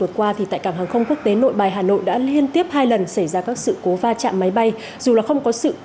cái nguyên nhân xảy ra sự cố va chạm